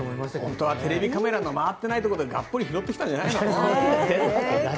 本当はテレビカメラが回ってないところでがっぽり拾ってきたんじゃないの？